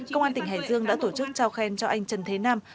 công an tỉnh hải dương đã tổ chức trao khen cho anh trần thế nam